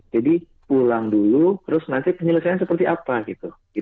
jadi pulang dulu terus nanti penyelesaian seperti apa gitu